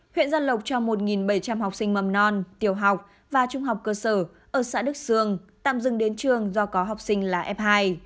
huyện gia lộc cho một bảy trăm linh học sinh mầm non tiểu học và trung học cơ sở ở xã đức sương tạm dừng đến trường do có học sinh là f hai